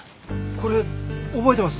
これ覚えてます。